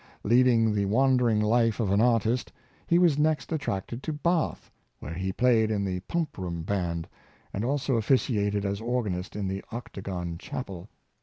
Leading the wandering life of an artist, he was next attracted to Bath, where he played in the Pump room band, and also officiated as organist in the Octagon chapel.